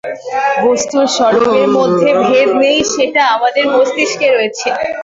বস্তুর স্বরূপের মধ্যে ভেদ নেই, সেটা আমাদের মস্তিষ্কে রয়েছে।